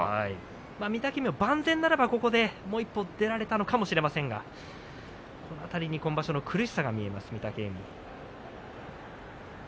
御嶽海は万全ならばここでもう一歩出られたのかもしれませんがこの辺りに今場所の苦しさが見えますよ、御嶽海。